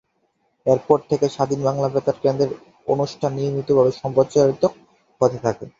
এরপর থেকে স্বাধীন বাংলা বেতার কেন্দ্রের অনুষ্ঠান নিয়মিতভাবে সম্প্রচারিত হতে থাকে।